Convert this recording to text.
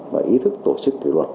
và ý thức tổ chức quy luật